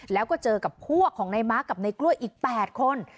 แล้วก็เจอกับพวกของในมาร์คกับในกล้วยอีก๘คน